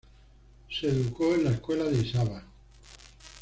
Se educó en la escuela de Isaba.